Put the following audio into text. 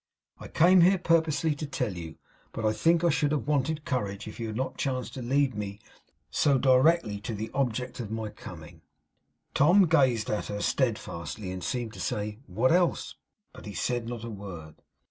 I came here purposely to tell you, but I think I should have wanted courage if you had not chanced to lead me so directly to the object of my coming.' Tom gazed at her steadfastly, and seemed to say, 'What else?' But he said not a word.